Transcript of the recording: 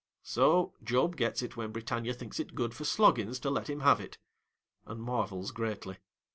So, Job gets it when Britannia thinks it good for Sloggins to let him have it, and marvels greatly.